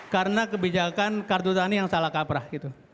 karena kebijakan kartu tani yang salah kaprah